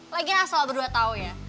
lagi asal berdua tau ya